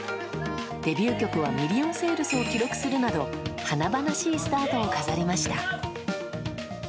デビュー曲はミリオンセールスを記録するなど華々しいスタートを飾りました。